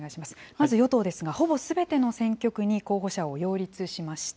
まず与党ですが、ほぼすべての選挙区に候補者を擁立しました。